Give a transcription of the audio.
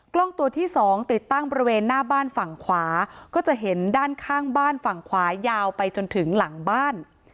กล้องตัวที่สองติดตั้งบริเวณหน้าบ้านฝั่งขวาก็จะเห็นด้านข้างบ้านฝั่งขวายาวไปจนถึงหลังบ้าน